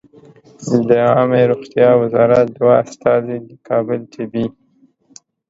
د عامې روغتیا وزارت دوه استازي د کابل طبي